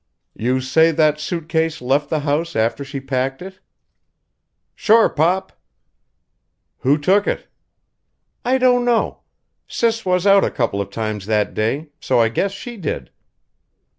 "You say that suit case left the house after she packed it?" "Sure pop." "Who took it?" "I don't know. Sis was out a couple of times that day so I guess she did."